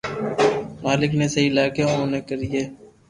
مالڪ ني سھي لاگي اوئي ڪرئي